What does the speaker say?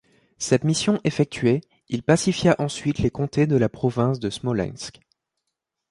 Cette mission effectuée, il pacifia ensuite les comtés de la province de Smolensk.